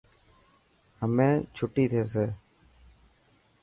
همي ڇٽي ٿيسي.